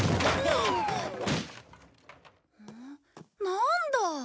なんだ。